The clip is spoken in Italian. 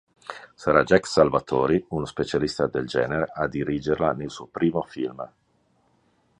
Sarà Jack Salvatori, uno specialista del genere, a dirigerla nel suo primo film.